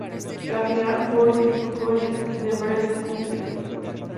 La final four se disputó en Debrecen, Hungría.